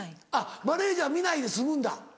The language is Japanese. マネジャー見ないで済むんだ。